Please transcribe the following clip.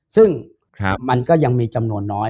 ซึ่งมันก็ยังมีจำนวนน้อย